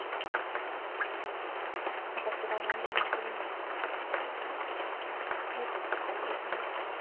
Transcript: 私が何でもするのは生徒が変わるため。